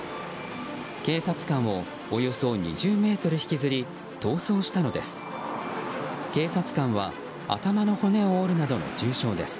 警察官をおよそ２０ｍ引きずり逃走したのです。